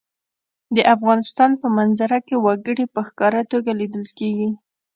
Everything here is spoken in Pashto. د افغانستان په منظره کې وګړي په ښکاره توګه لیدل کېږي.